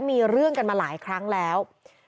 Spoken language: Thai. มีเรื่องกันมาหลายครั้งแล้ว